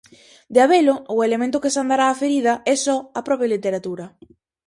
De habelo, o elemento que sandará a ferida é só a propia literatura.